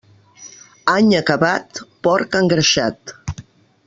Any acabat, porc engreixat.